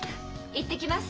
行ってきます！